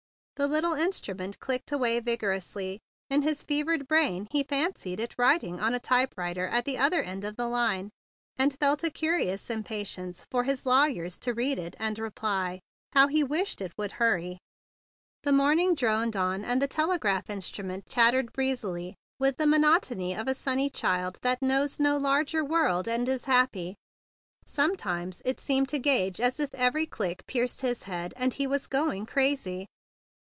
The little instrument clicked away vigorously. In his fevered brain he fancied it writing on a typewriter at the other end of the line, and felt a curious impatience for his lawyer to read it and reply. How he wished it would hurry! The morning droned on, the tele¬ graph instrument chattered breezily, with the monotony of a sunny child that knows no larger world and is happy. Sometimes it seemed to Gage as if every click pierced his head and he was going crazy.